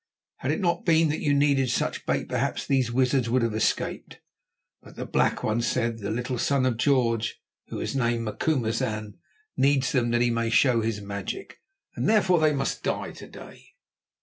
Had it not been that you needed such bait, perhaps these wizards would have escaped. But the Black One said the little Son of George, who is named Macumazahn, needs them that he may show his magic, and therefore they must die to day."